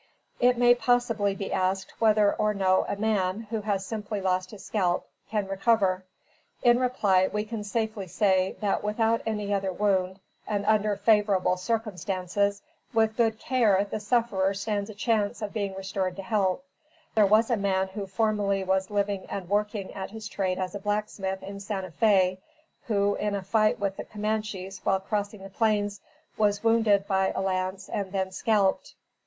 It may possibly be asked whether or no a man, who has simply lost his scalp, can recover. In reply we can safely say that without any other wound, and under favorable circumstances, with good care the sufferer stands a chance of being restored to health. There was a man who formerly was living and working at his trade as a blacksmith in Santa Fé, who, in a fight with the Camanches while crossing the plains, was wounded by a lance and then scalped.